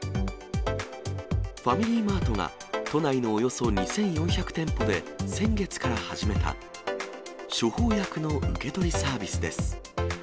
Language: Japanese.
ファミリーマートが都内のおよそ２４００店舗で先月から始めた、処方薬の受け取りサービスです。